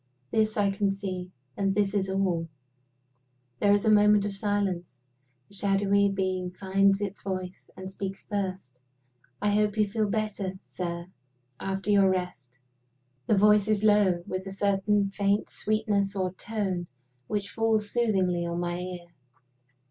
This I can see and this is all. There is a moment of silence. The shadowy being finds its voice, and speaks first. "I hope you feel better, sir, after your rest?" The voice is low, with a certain faint sweetness or tone which falls soothingly on my ear.